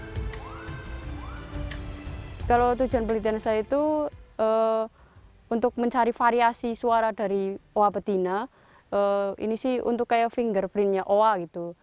pertama kalau tujuan pelitian saya itu untuk mencari variasi suara dari oa petina ini sih untuk kayak fingerprint nya oa gitu